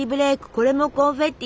これもコンフェッティ？